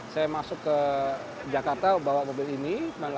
saya masuk ke jakarta bawa mobil ini seribu sembilan ratus sembilan puluh delapan